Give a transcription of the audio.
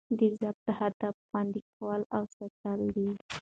د ضبط هدف؛ خوندي کول او ساتل دي.